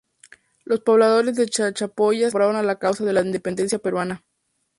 Los pobladores de Chachapoyas se incorporaron a la causa de la independencia peruana.